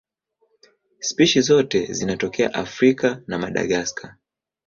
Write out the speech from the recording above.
Spishi zote zinatokea Afrika na Madagaska.